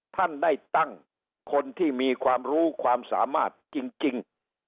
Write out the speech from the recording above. ท่านได้ตั้งคนที่มีความรู้ความสามารถจริง